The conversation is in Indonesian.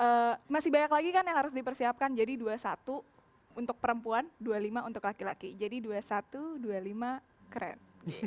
terus masih banyak lagi kan yang harus dipersiapkan jadi dua ribu satu ratus dua puluh satu untuk perempuan dua puluh lima untuk laki laki jadi dua ribu satu ratus dua puluh lima keren